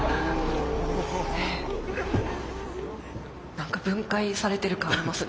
何か分解されてる感ありますね。